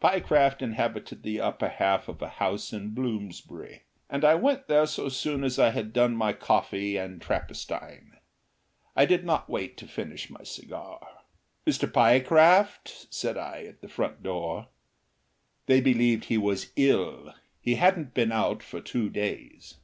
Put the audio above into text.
Pyecraft inhabited the upper half of a house in Bloomsbury, and I went there so soon as I had done my coffee and Trappistine. I did not wait to finish my cigar. "Mr. Pyecraft?" said I, at the front door. They believed he was ill; he hadn't been out for two days.